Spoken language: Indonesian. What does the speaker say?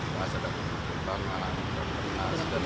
bahas ada tentang alam dan berdasarkan